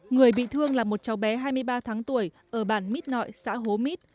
người bị thương là một cháu bé hai mươi ba tháng tuổi ở bản mít nội xã hố mít